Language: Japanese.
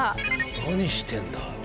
何してんだ？